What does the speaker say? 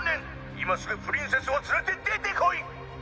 「今すぐプリンセスをつれて出てこい！」